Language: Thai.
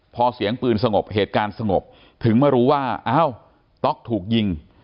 พอเสียงปืนสงบเหตุการณ์สงบถึงมารู้ว่าอ้าวต๊อกถูกยิง